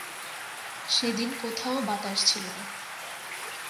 সেদিন কোথাও বাতাস ছিল না।